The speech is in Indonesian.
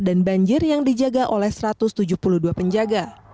dan banjir yang dijaga oleh satu ratus tujuh puluh dua penjaga